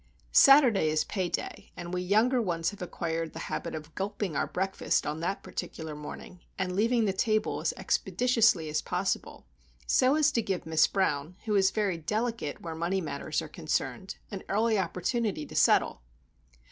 Saturday is pay day, and we younger ones have acquired the habit of gulping our breakfast on that particular morning, and leaving the table as expeditiously as possible; so as to give Miss Brown, who is very delicate where money matters are concerned, an early opportunity to settle.